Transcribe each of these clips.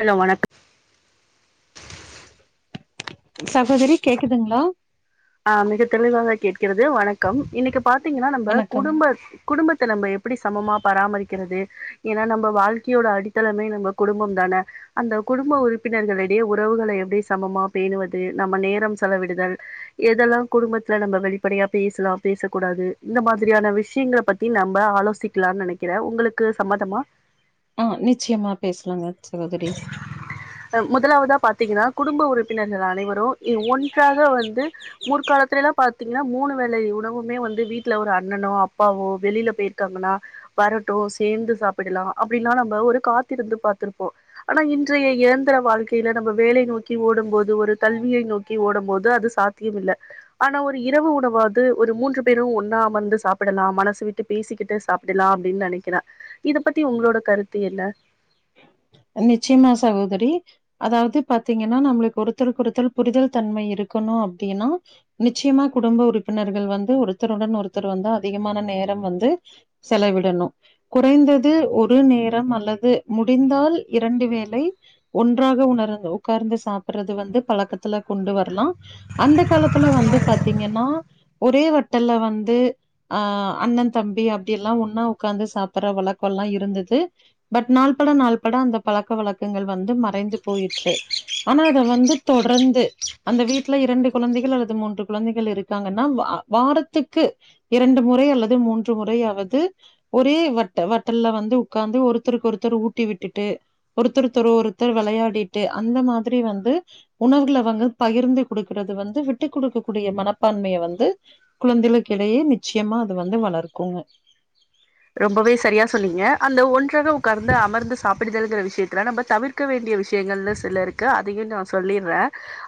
hello வணக் சகோதரி கேக்குதுங்ளா ஆ மிக தெளிவாக கேட்கிறது வணக்கம் இன்னைக்கு பாத்தீங்னா நம்ப வணக்கம் குடும்ப குடும்பத்த நம்ம எப்டி சமமா பராமரிக்கறது ஏனா நம்ம வாழ்க்கையோட அடித்தளமே நம்ம குடும்பம் தான அந்த குடும்ப உறுப்பினர்களிடையே உறவுகள எப்டி சமமா பேணுவது நம்ம நேரம் செலவிடுதல் எதெல்லா குடும்பத்துல நம்ம வெளிப்படையா பேஸ்லா பேசக்கூடாது இந்த மாதிரியான விஷயங்கள பத்தி நம்ப ஆலோசி க்கலான் நெனைக்றே உங்களுக்கு சம்மதமா ஆ நிச்சயமா பேசலாங்க சகோதரி அ முதலாவதா பாத்தீங்னா குடும்ப உறுப்பினர்கள் அனைவரும் இ ஒன்றாக வந்து முற்காலத்துலேலா பாத்தீங்னா மூணு வேளை உணவுமே வந்து வீட்ல ஒரு அண்ணனோ அப்பாவோ வெளில போயிருக்காங்கன்னா வரட்டு சேந்து சாப்பிடலா அப்டின்லா நம்ப ஒரு காத்திருந்து பாத்திருப்போ ஆனா இன்றைய இயந்திர வாழ்க்கையில நம்ம வேலை நோக்கி ஓடும் போது ஒரு கல்வியை நோக்கி ஓடும் போது அது சாத் தியம் இல்ல ஆனா ஒரு இரவு உணவாவது ஒரு மூன்று பேரும் ஒன்னா அமர்ந்து சாப்பிடலாம் மனசு விட்டு பேசிக்கிட்டு சாப்பிடலா அப்டின்னு நனைக்கறே இத பத்தி உங்களோட கருத்து என்ன நிச்சியமா சகோதரி அதாவ்து பாத்தீங்கன்னா நம்மளுக்கு ஒருத்தருக்கு ஒருத்த புரிதல் தன்மை இருக்கணு அப்டின்னா நிச்சயமா குடும்ப உறுப்பினர்கள் வந்து ஒருத்தருடன் ஒருத்தர் வந்து அதிகமான நேரம் வந்து செலவிடணு குறைந்தது ஒரு நேரம் அல்லது முடிந்தால் இரண்டு வேலை ஒன்றாக உணர்ந் உக்கார்ந்து சாப்பிடுறது வந்து பழக்கத்துல கொண்டு வரலா அந்த காலத்துல வந்து பாத்தீங்கன்னா ஒரே வட்டல வந்து அ அண்ணன் தம்பி அப்டில்லா ஒன்னா உக்காந்து சாப்பிடுற வழக்கல்லா இருந்தது பட் நாள்பட நாள்பட அந்த பழக்க வழக்கங்கள் வந்து மறைந்து போயிற்று ஆனா அத வந்து தொடர்ந்து அந்த வீட்ல இரண்டு குழந்தைகள் அல்லது மூன்று குழந்தைகள் இருக்காங்கன்னா வ வாரத்துக்கு இரண்டு முறை அல்லது மூன்று முறையாவது ஒரே வட்ட வட்டல்ல வந்து உக்காந்து ஒருத்தருக்கு ஒருத்தர் ஊட்டி விட்டுட்டு ஒருத்தருத்தர் ஒருத்தர் வெளையாடிட்டு அந்த மாரி வந்து உணவுகல அவ்ங்க வந்து பகிர்ந்து கொடுக்றது வந்து விட்டுக் கொடுக்க கூடிய மனப்பான்மைய வந்து குழந்தைகளுக்கிடையே நிச்சயமா அது வந்து வளர்க்குங்க ரொம்பவே சரியா சொன்னீங்க அந்த ஒன்றாக உக்கார்ந்து அமர்ந்து சாப்பிடுதல்ங்கற விஷயத்துல நம்ம தவிர் க்க வேண்டிய விஷயங்கள்ன்னு சில இருக்கு அதையு நா சொல்லிட்றே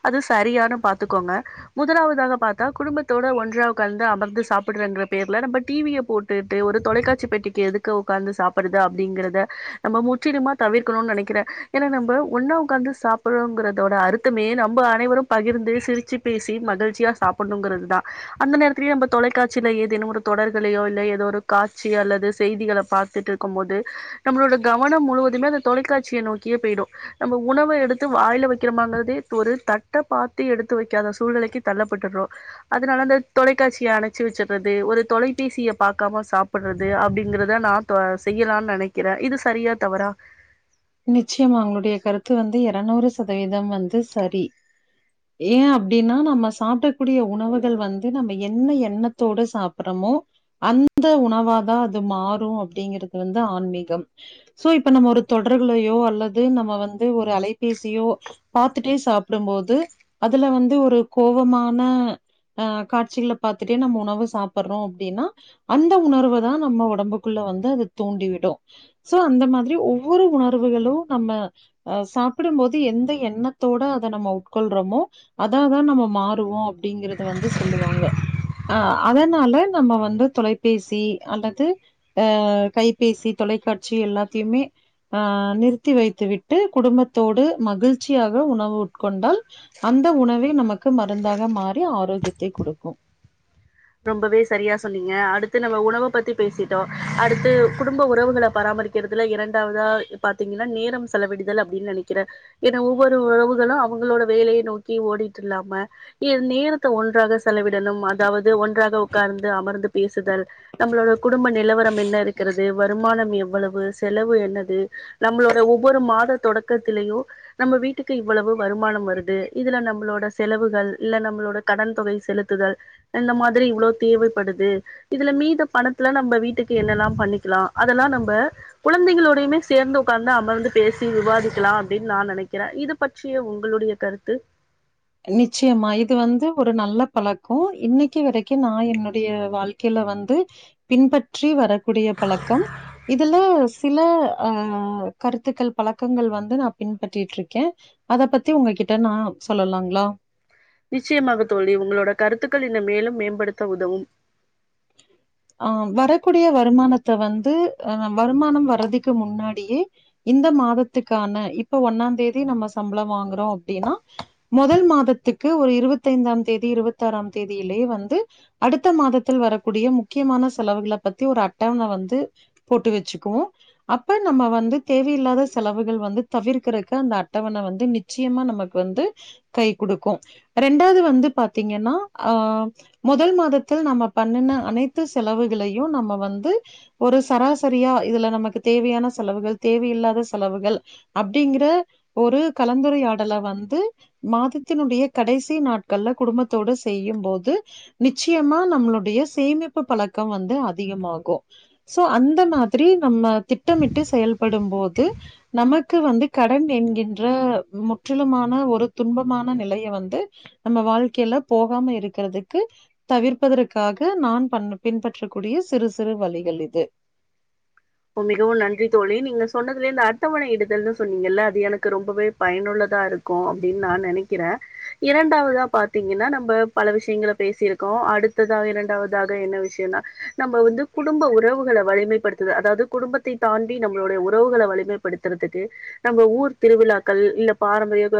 அது சரியானு பாத்துக்கோங்க முதலாவதாக பாத்தா குடும்பத்தோட ஒன்றா உட்காந்து அமர்ந்து சாப்பிடுறங்க பேர்ல நம்ம டி வி ய போட் டு ஒரு தொலைக்காட் ச்சி பெட்டிக்கு எதுக்க உக்காந்து சாப்படது அப்டிங்கறத நம்ம முற்றிலுமா தவிர்க்கணும்னு நனைக்கறே ஏன்னா நம்ம ஒண்ணா உக்காந்து சாப்பறோங்கறதோட அர்த்தமே நம்ப அனைவரும் பகிர்ந்து சிரிச்சு பேசி மகிழ்ச்சியா சாப்பண்ணுங்கறது தா அந்த நேரத்துலயு நம்ம தொலைக்காட்சில ஏதுேனும் ஒரு தொடர்களையோ இல்ல ஏதோ ஒரு கா சீ அல்லது செய்திகள பாத்திட் இருக்கும் போது நம்மளோட கவனம் முழுவதுமே அந்த தொலைக்காட்சிய நோக்கியே போயிடு நம்ம உணவை எடுத்து வாயில வெக்கிற மாங்கிறதே ஒரு தட்டை பாத்து எடுத்து வெக்காத சூழ்நிலைக்கு தள்ளப்பட்டுறோ அதனால அந்த தொலைக்காட்சிய அணைச்சு வச்சறது ஒரு தொலைபேசியை பாக்காம சாப் படுறது அப்டிங்கிறத நான செய்யலானு நெனக்கிற இது சரியா தவறா நிச்சயமா உங்களுடைய கருத்து வந்து எரநூறு சதவீதம் வந்து சரி ஏ அப்டின்னா நம்ம சாப்பிடக்கூடிய உணவுகள் வந்து நம்ம என்ன எண்ணத்தோட சாப்ற்றமோ அந்த உணவாதா அது மாறு அப்டிங்கிறது வந்து ஆன்மீகம் சோ இப்ப நம்ம ஒரு தொடர்களையோ அல்லது நம்ம வந்து ஒரு அலைபேசியோ பாத்துட்டே சாப்பிடும்போது அதுல வந்து ஒரு கோபமான ஆ காட்சிகள பாத்துட்டே நம்ம உணவு சாப்பிடுறோ அப்டின்னா அந்த உணர்வ தா நம்ம ஒடம்புக்குள்ள வந்து அது தூண்டி விடும் சோ அந்த மாதிரி ஒ ஒரு உணர்வுகளு நம்ம அ சாப்பிடும் போது எந்த எண்ணத்தோட அத நம்ம உட்கொள்றோமோ அதாதா நம்ம மாறுவோ அப்டிங்கறத வந்து சொல்லுவாங்க அ அதனால நம்ம வந்து தொலைபேசி அல்லது ஆ கைபேசி தொலைக்காட்சி எல்லாத்தியுமே அ நிறுத்தி வைத்துவிட்டு குடும்பத்தோடு மகிழ்ச்சியாக உணவு உட்கொண்டால் அந்த உணவே நமக்கு மருந்தாக மாறி ஆரோக்கியத்தை குடுக்கு ரொம்பவே சரியா சொன்னீங்க அடுத்து நம்ம உணவ பத்தி பேசிட்டோ அடுத்து குடும்ப உறவுகள பராமரிக் கறதுல இரண்டாவதா பாத்தீங்கன்னா நேரம் செலவிடுதல் அப்டின்னு நெனைக்கிறே ஏனா ஒவ்வொரு உறவுகளு அவங்களோட வேலைய நோக்கி ஓடிட்டுல்லாம இங் நேரத்த ஒன்றாக செலவிடணும் அதாவது ஒன்றாக உக்கார்ந்து அமர்ந்து பேசுதல் நம்ளோட குடும்ப நிலவரம் என்ன இருக்கிறது வருமானம் எவ்வளவு செலவு என்னது நம்ளோட ஒவ்வொரு மாத தொடக்கத்திலயு நம்ம வீட்டுக்கு இவ்வளவு வருமானம் வருது இதுல நம்மளோட செலவுகள் இல்ல நம்மளோட கடன் தொகை செலுத்துதல் இந்த மாதிரி இவ்வளோ தேவைப்படுது இதுல மீத பணத்துல நம்ம வீட்டுக்கு என்னெல்லா பண்ணிக்கலா அதெல்லா நம்ப குழந்தைகளோடையுமே சேந்து உக்காந்து அமர்ந்து பேசி விவாதிக்கலா அப்படின்னு நா நெனைக்கிறே இத ப ற்றிய உங்களுடைய கருத்து நிச்சயமா இது வந்து ஒரு நல்ல பழக்கோ இன்னைக்கு வரைக்கு நா என்னுடைய வாழ்க்கையில வந்து பின்பற்றி வரக்கூடிய பழக்கம் இதுல சில ஆ கருத்துக்கள் பழக்கங்கள் வந்து நா பின்பற்றட்ருக்கே அத பத்தி உங்ககிட்ட நா சொல்லலாங்களா நிச்சயமாக தோல்வி உங்களோட கருத்துக்கள் இன்னு மேலு மேம்படுத்த உதவும் அ வரக்கூடிய வருமானத்த வந்து அ வருமானம் வரதுக்கு முன்னாடியே இந்த மாதத்துக்கான இப்ப ஒன்னாந்தேதி நம்ம சம்பள வாங்குறோ அப்படின்னா மொதல் மாதத்துக்கு ஒரு இருவத்தைந்தாம் தேதி இருவத்தாறாம் தேதியிலேயே வந்து அடுத்த மாதத்தில் வரக்கூடிய முக்கியமான செலவுகள பத்தி ஒரு அட்டவனை வந்து போட்டு வச்சுக்குவோ அப்ப நம்ம வந்து தேவையில்லாத செலவுகள் வந்து தவிர்க்கறக்கு அந்த அட்டவண வந்து நிச்சயமா நமக்கு வந்து கை குடுக்கு ரெண்டாவது வந்து பாத்தீங்கன்னா ஆ மொதல் மாதத்தில் நம்ம பண்ணின அனைத் த்து செலவுகளையு நம்ம வந்து ஒரு சராசரியா இதுல நமக்கு தேவையான செலவுகள் தேவையில்லாத செலவுகள் அப்டிங்கற ஒரு கலந்துரையாடல வந்து மாதத்தினுடைய கடைசி நாட்கள்ல குடும்பத்தோடு செய்யும் போது நிச்சியமா நம்மளுடைய சேமிப்பு பழக்க வந்து அதிகமாகூ சோ அந்த மாதிரி நம்ம திட்டமிட்டு செயல்படும் போது நமக்கு வந்து கடன் என்கின்ற முற்றிலுமான ஒரு துன்பமான நிலைய வந்து நம்ம வாழ்க்கையில போகாம இருக்கிறதுக்கு தவிர்ப்பதற்கற்காக நான் பண் பின்பற்றக்கூடிய சிறு சிறு வழிகள் இது மிகவு நன்றி தோழி நீங்க சொன்னதுலே இந்த அர்த்தவணை இடுதல்ன்னனு சொன்னீங்கல்ல அது எனக்கு ரொம்பவே பயனுள்ளதா இருக் கு அப்டின்னு நா நெனைக்கிறே இரண்டாவதா பாத்தீங்கன்னா நம்ம பல விஷயங்கள பேசியிருக்கோ அடுத்ததா இரண்டாவதாக என்ன விஷயம்னா நம்ம வந்து குடும்ப உறவுகள வலிமைப்படுத்து அதாவது குடும்பத்தை தாண்டி நம்மளுடைய உறவுகள வலிமைப்படுத்துறதுக்கு நம்ம ஊர் திருவிழாக்கள் இல்ல பாரம்பரிய க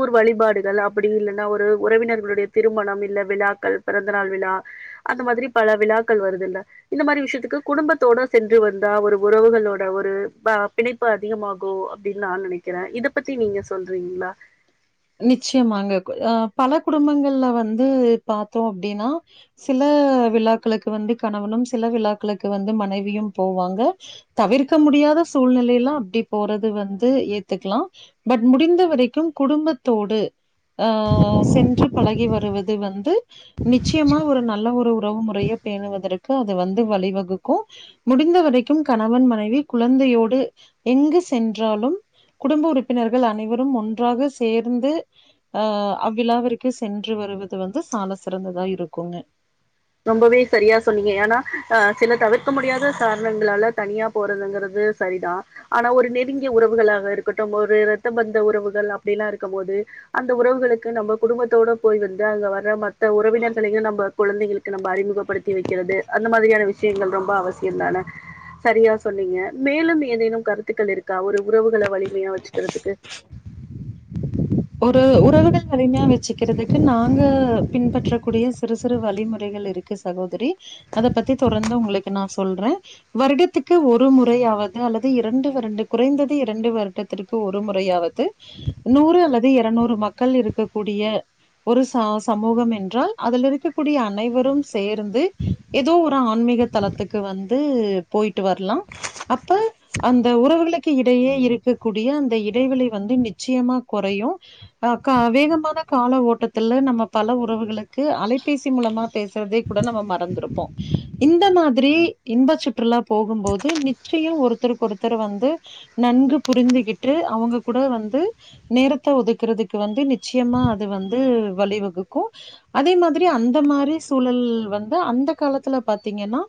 ஊர் வழிபாடுகள் அப்டி இல்லைன்னா ஒரு உறவினர்களுடைய திருமணம் இல்ல விழாக்கள் பிறந்தநாள் விழா அந்த மாதிரி பல விழாக்கள் வருதுல்ல இந்த மாரி விஷயத்துக்கு குடும்பத்தோட சென் று வந்தா ஒரு உறவுகளோட ஒரு பிணைப்பு அதிகமாகு அப்டின்னு நா நெனைக் கறே இத பத்தி நீங்க சொல்றீங்களா நிச்சயமாங்க ஆ பல குடும்பங்கள்ல வந்து பாத்தோ அப்டின்னா சில விழாக்களுக்கு வந்து கணவனும் சில விழாக்களுக்கு வந்து மனைவியும் போவாங்க தவிர்க்க முடியாத சூழ்நிலையெல்லா அப்டி போறது வந்து ஏத்துக்லா பட் முடிந்த வரைக்கும் குடும்பத் தோடு அ சென்று பழகி வருவது வந்து நிச்சயமா ஒரு நல்ல ஒரு உறவு முறையை பேணுவதற்கு அது வந்து வழிவகுக்கு முடிந்த வரைக்கும் கணவன் மனைவி குழந்தையோடு எங்கு சென்றாலும் குடும்ப உறுப்பினர்கள் அனைவரும் ஒன்றாக சேர்ந்து அ அவ்விழாவிற்கு சென்று வருவது வந்து சால சிறந்ததா இருக்குங்க ரொம்பவே சரியா சொன்னீங்க ஏன்னா அ சில தவிர்க்க முடியாத காரணங்களால தனியாப் போறதுங்கிறது சரிதா ஆனா ஒரு நெருங்கிய உறவுகளாக இருக்கட்டும் ஒரு ரத்த பந்த உறவுகள் அப்டிலா இருக்கும் போது அந்த உறவுகளுக்கு நம்ப குடும்பத்தோட போய் வந்து அங்க வர மத்த உறவினர்களையு நம்ப குழந்தைகளுக் அறிமுகப்படுத்தி வைக்கிறது அந்த மாதிரியான விஷயங்கள் ரொம்ப அவசியந்தான சரியா சொன்னீங்க மேலும் ஏதேனும் கருத்துக்கள் இருக்கா ஒரு உறவுகள வலிமையா வச்சுக்கறதுக்கு ஒரு உறவுகள் வலிமையா வச்சுக்கிறதுக்கு நாங்க பின்பற்றக்க கூடிய சிறு சிறு வழிமுறைகள் இருக் கு சகோதரி அத பத்தி தொடர்ந்து உங்களுக்கு நா சொல்ற வருடத்துக்கு ஒரு முறையாவது அல்லது இரண்டு வருண்டு குறைந்தது இரண்டு வருடத் த்திற்கு ஒரு முறையாவது நூறு அல்லது இரநூறு மக்கள் இருக்க கூடிய ஒரு ச சமூகம் என்றால் அதுல இருக்க கூடிய அனைவரும் சேர்ந்து ஏதோ ஒரு ஆன்மீக தலத்துக்கு வந்து போய்ட்டு வரலாம் அப்ப அந்த உறவுகளுக்கு இடையே இருக்க கூடிய அந்த இடைவெளி வந்து நிச்சயமா கொறையு அ வேகமான கால ஓட்டத்துல நம்ம பல உறவுகளுக்கு அலைபேசி மூலமா பேசுறதே கூட நம்ம மறந்துருப்போ இந்த மாதிரி இன்ப சுற்றுலா போகும்போது நிச்சயம் ஒருத்தருக்கு ஒருத்தர் வந்து நன்கு புரிந்துகிட்டு அவங்க கூட வந்து நேரத் த்த ஒதுக்குறதுக்கு வந்து நிச்சயமா அது வந்து வழிவகுக்கு அதே மாதிரி அந்த மாரி சூழல் வந்து அந்த காலத்துல பாத்தீங்கன்னா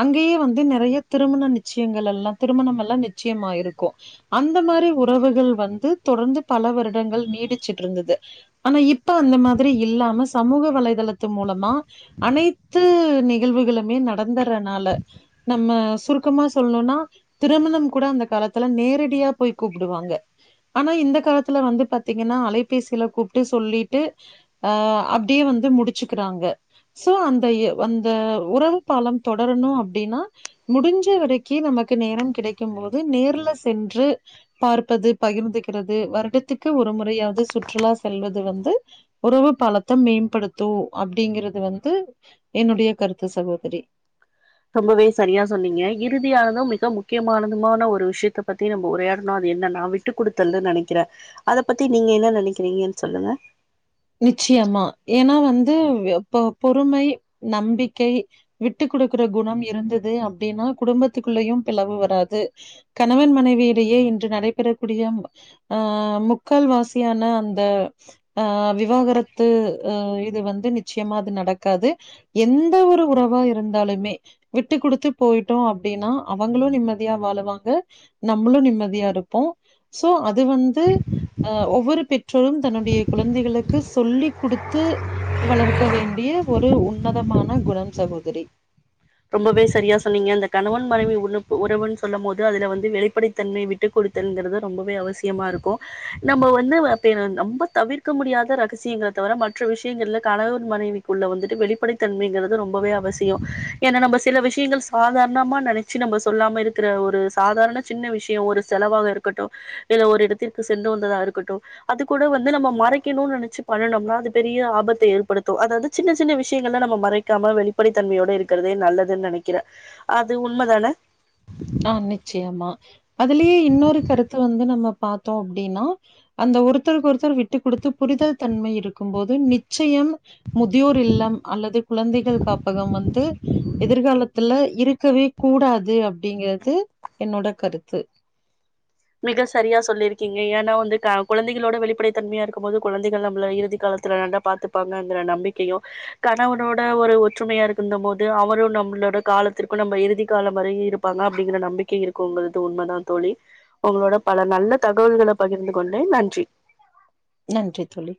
அங்கேயே வந்து நெறய திருமண நிச்சயங்கள்ல்லா திருமண எல்லா நிச்சயமாய்ருக்கு அந்த மாரி உறவுகள் வந்து தொடர்ந்து பல வருடங்கள் நீடிச்சுட்டு இருந்துது ஆனா இப்ப அந்த மாதிரி இல்லாம சமூக வலைதளத்து மூலமா அனைத்து நிகழ்வுகளுமே நடந்துறனால நம்ம சுருக்கமா சொல்லணுனா திருமணம் கூட அந்த காலத்துல நேரடியா போய் கூப்புடுவாங்க ஆனா இந்த காலத்துல வந்து பாத்தீங்கன்னா அலைபேசியில கூப்ட்டு சொல்லிட்டு அ அப்டியே வந்து முடிச்சுக்கிறாங்க சோ அந்த அந்த உறவு பாலம் தொடரணு அப்டின்னா முடிஞ்ச வரைக்கி நமக்கு நேரம் கிடைக்கும் போது நேர்ல சென்று பார்ப்பது பகிர்ந்துக்கிறது வருடத்துக்கு ஒரு முறையாவது சுற்றுலா செல்வது வந்து உறவு பாலத்தை மேம்படுத்து அப்படிங்கறது வந்து என்னுடைய கருத்து சகோதரி ரொம்பவே சரியா சொன்னீங்க இறுதியானதும் மிக முக்கியமானதுமான ஒரு விஷயத்த பத்தி நம்ம உரையாடணு அது என்னன்னா வி ட்டு குடுத்தல்னு நெனைக்கிறே அத பத்தி நீங்க என்ன நெனைக்கிறீங்கன்னு சொல்லுங்க நிச்சயமா ஏன்னா வந்து பொறுமை நம்பிக்கை விட்டு குடுக்குற குணம் இருந்தது அப்படினா குடும்பத்துக்குள்ளயு பிளவு வராது கணவன் மனைவியிடையே இன்று நடைபெறக் கூடிய அ முக்கால் வாசியான அந்த அ விக் விவாகரத்து அ இது வந்து நிச்சயமா அது நடக்காது எந்த ஒரு உறவா இருந்தாலுமே விட்டு குடுத்து போய்ட்டோ அப்டின்னா அவங்களு நிம்மதியா வாழுவாங்க நம்ளு நிம்மதியா இருப்போ சோ அது வந்து அ ஒவ்வொரு பெற்றோரும் தன்னுடைய குழந்தைகளுக் சொல்லி குடுத்து வளர்க்க வேண்டிய ஒரு உன்னதமான குணம் சகோதரி ரொம்பவே சரியா சொன்னீங்க அந்த கணவன் மனைவி உலப்பு உறவுன் சொல்லும் போது அதுல வந்து வெளிப்படைத்தன்மை விட் விட்டு குடுத்தல்ங்கிறது ரொம்பவே அவசியமா இருக்கு நம்ப வந்து வார்த்தைய ரொம்ப தவிர்க்க முடியாத ரகசியங்கள தவிர மற்ற விஷயங்கள்ல கணவர் மனைவி குள்ள வந்துட்டு வெளிப்படைத் தன்மைங்கிறது ரொம்பவே அவசியோ ஏன்னா நம்ப சில விஷயங்கள் சாதாரணமா நினைச்சு நம்ம சொல்லாம இருக்கிற ஒரு சாதாரண சின்ன விஷயோ ஒரு செலவாக இருக்கட்டு இல்ல ஒரு இடத்திற்கு சென்று வந்ததா இருக்கட்டும் அது கூட வந்து நம்ம மறைக்கணு நினைச்சு பண்ணுனோம்னா அது பெரிய ஆபத்த ஏற்படுத்தும் அதாது சின்ன சின்ன விஷயங்கள்லா நம்ம மறைக்காம வெளிப்படைத்தன்மையோட இருக் குறதே நல்லதுன்னு நினைக்கிறே அது உண்மைதானே ஆ நிச்சியமா அதுலயே இன்னொரு கருத்தும் வந்து நம்ம பாத்தோ அப்டின்னா அந்த ஒருத்தருக்கு ஒருத்தர் விட்டு குடுத்து புரிதல் தன்மை இருக்கும் போது நிச்சயம் முதியோர் இல்லம் அல்லது குழந்தைகள் காப்பகம் வந்து எதிர்காலத்துல இருக் கவே கூடாது அப்படிங்கறது என்னோட கருத்து மிக சரியா சொல்லியிருக்கீங்க ஏன்னா வந்து க குழந்தைகளோட வெளிப்படைத் தன்மையா இருக்கும் போது குழந்தைகள் நம்மள இறுதி காலத்துல நல்லா பாத்துப்பாங்கங்கற நம்பிக்கையு கணவனோட ஒரு ஒற்றுமையா இருக்குந்த போது அவரும் நம்மளோட காலத்திற்கும் நம்ம இறுதி காலம் வரை இருப் பாங்க அப்படிங்கிற நம்பிக்கை இருக்குங்கிறது உண்மைதான் தோழி உங்களோட பல நல்ல தகவல்கள பகிர்ந்து கொண்டேன் நன்றி நன்றி தோழி